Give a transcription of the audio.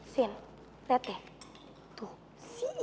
sin liat deh tuh si ia tuh bikin bete banget